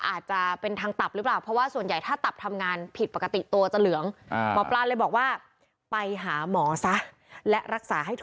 อาจจะเป็นทางตับหรือเปล่า